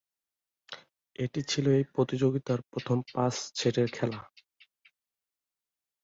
এটি ছিল এই প্রতিযোগিতার প্রথম পাঁচ সেটের খেলা।